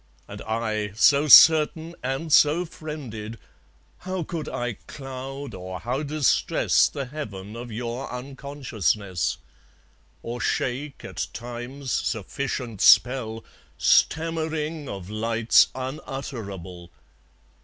And I, so certain and so friended, How could I cloud, or how distress, The heaven of your unconsciousness? Or shake at Time's sufficient spell, Stammering of lights unutterable?